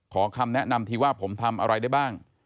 คำแนะนำทีว่าผมทำอะไรได้บ้าง